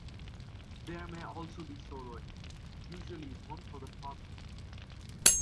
There may also be soloists, usually only for part of the piece.